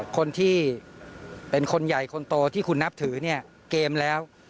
คนที่เป็นคนใหญ่คนโตที่คุณนับถือเนี่ยเกมแล้ว